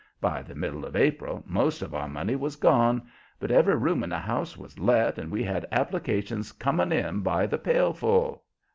By the middle of April most of our money was gone, but every room in the house was let and we had applications coming by the pailful.